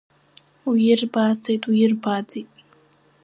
Уирбааӡеит, уирбааӡеит!